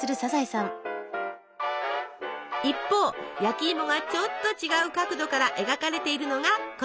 一方焼きいもがちょっと違う角度から描かれているのがこちら。